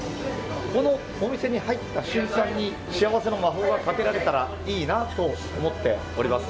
このお店に入った瞬間に、幸せの魔法がかけられたらいいなと思っております。